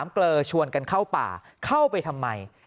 เกลอชวนกันเข้าป่าเข้าไปทำไม